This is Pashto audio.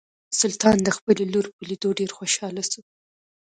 سلطان د خپلې لور په لیدو ډیر خوشحاله شو.